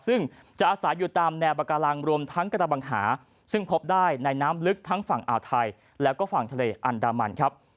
ซึ่งจะอาศัยอยู่ตามแนวปากาลังรวมทั้งกระบังหาซึ่งพบได้ในน้ำลึกทั้งฝั่งอ่าวไทยแล้วก็ฝั่งทะเลอันดามันครับ